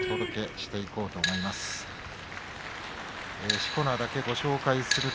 しこ名だけご紹介します。